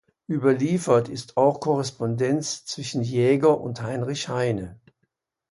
Überliefert ist auch Korrespondenz zwischen Jäger und Heinrich Heine.